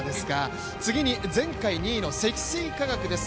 次に前回２位の積水化学です。